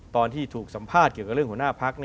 ตอนที่ถูกสัมภาษณ์เกี่ยวกับเรื่องหัวหน้าพัก